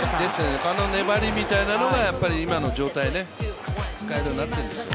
あの粘りみたいなのが今の状態、使えるようになっているんですよ。